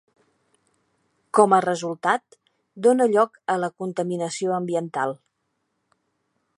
Com a resultat, dona lloc a la contaminació ambiental.